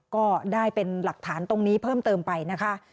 ก็ได้เป็นหลักฐานตรงนี้เพิ่มเติมไปนะคะ